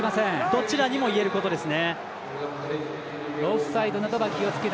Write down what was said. どちらにも言えることです。